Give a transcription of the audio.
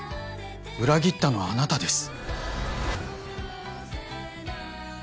裏切ったのはあなたです！